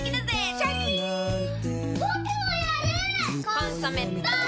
「コンソメ」ポン！